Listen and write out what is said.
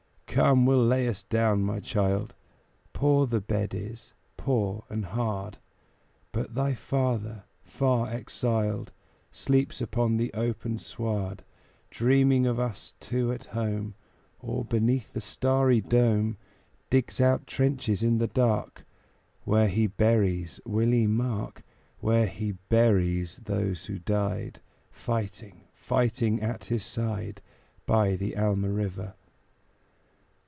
Come, we'll lay us down, my child; Poor the bed is poor and hard; But thy father, far exiled, Sleeps upon the open sward, Dreaming of us two at home; Or, beneath the starry dome, Digs out trenches in the dark, Where he buries Willie, mark! Where he buries those who died Fighting fighting at his side By the Alma River.